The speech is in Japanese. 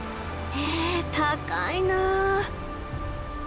へえ高いなあ。